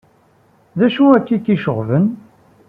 D acu akka ay k-iceɣben?